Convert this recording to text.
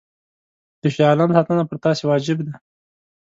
د شاه عالم ساتنه پر تاسي واجب ده.